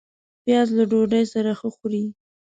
پیاز له ډوډۍ سره ښه خوري